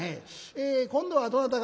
え今度はどなたが？」。